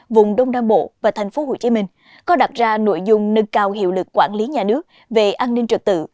vùng đông nam bộ và thành phố hồ chí minh có đặt ra nội dung nâng cao hiệu lực quản lý nhà nước về an ninh trật tự